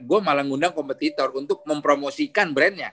gue malah ngundang kompetitor untuk mempromosikan brandnya